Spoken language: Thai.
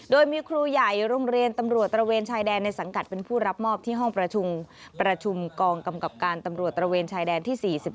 โดยมีครูใหญ่โรงเรียนตำรวจตระเวนชายแดนในสังกัดเป็นผู้รับมอบที่ห้องประชุมกองกำกับการตำรวจตระเวนชายแดนที่๔๑